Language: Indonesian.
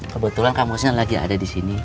kebetulan kamusnya lagi ada di sini